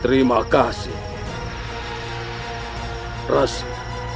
terima kasih rasu